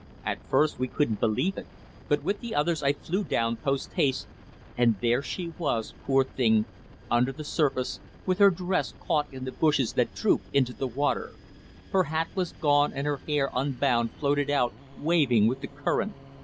At first we couldn't believe it; but, with the others, I flew down post haste, and there she was, poor thing, under the surface, with her dress caught in the bushes that droop into the water. Her hat was gone, and her hair, unbound, floated out, waving with the current.